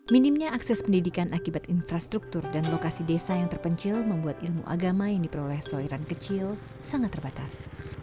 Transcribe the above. minimnya akses pendidikan akibat infrastruktur dan lokasi desa yang terpencil membuat ilmu agama yang diperoleh soiran kecil sangat terbatas